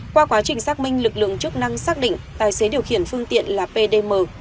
qua quá trình xác minh lực lượng chức năng xác định tài xế điều khiển phương tiện là pdm